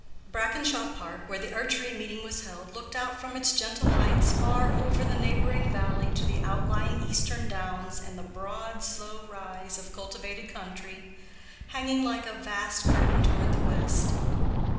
Brackenshaw Park, where the archery meeting was held, looked out from its gentle heights far over the neighboring valley to the outlying eastern downs and the broad, slow rise of cultivated country, hanging like a vast curtain toward the west.